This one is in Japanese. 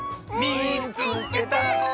「みいつけた！」。